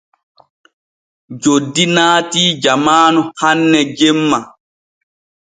Joddi naati jamaanu hanne jemma.